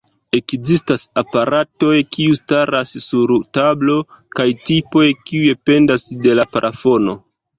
Ekzistas aparatoj kiu staras sur tablo kaj tipoj kiuj pendas de la plafono.